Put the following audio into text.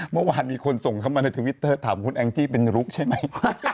เมื่อวานมีคนส่งเข้ามาในทวิตเตอร์ถามคุณแองจี้เป็นลุกใช่ไหม